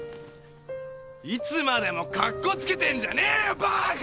いつまでもカッコつけてんじゃねえよバカ！！